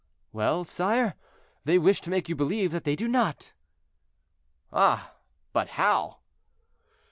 "Well, sire, they wish to make you believe that they do not." "Ah! but how?"